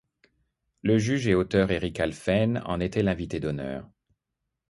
Le juge et auteur Eric Halphen en était l’invité d’honneur.